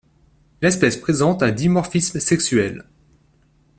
L'espèce présente un dimorphisme sexuel.